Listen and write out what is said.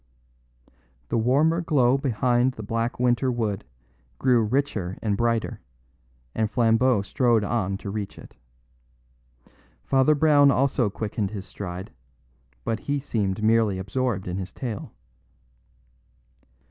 The warmer glow behind the black winter wood grew richer and brighter, and Flambeau strode on to reach it. Father Brown also quickened his stride; but he seemed merely absorbed in his tale.